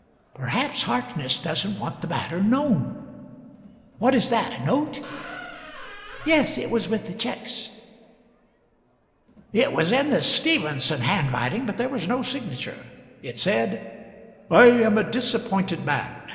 Perhaps Harkness doesn't want the matter known. What is that a note?" "Yes. It was with the cheques." It was in the "Stephenson" handwriting, but there was no signature. It said: "I am a disappointed man.